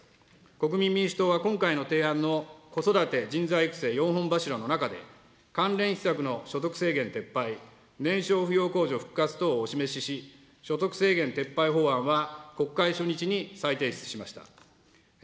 国民民主党は今回の提案の子育て・人材育成４本柱の中で関連施策の所得制限撤廃、年少扶養控除復活等をお示しし、所得制限撤廃法案は国会初日に再提出しました。